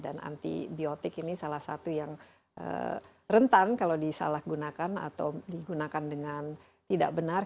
dan antibiotik ini salah satu yang rentan kalau disalahgunakan atau digunakan dengan tidak benar